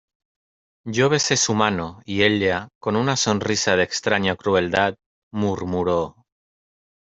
yo besé su mano, y ella , con una sonrisa de extraña crueldad , murmuró: